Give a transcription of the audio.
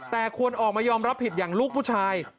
แต่ควรออกมายอมรับผิดอย่างลูกผู้ชาย